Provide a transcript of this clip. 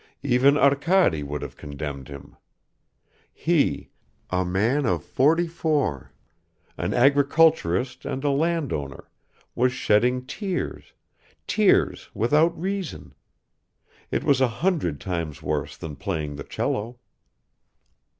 Even Arkady would have condemned him. He, a man of forty four, an agriculturist and a landowner, was shedding tears, tears without reason; it was a hundred times worse than playing the cello.